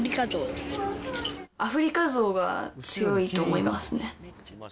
アフリカゾウが強いと思いますね。